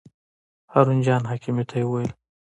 هارون جان حکیمي ته یې وویل.